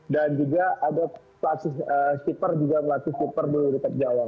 dan juga ada pelatih skipper juga melakukan skipper di jawa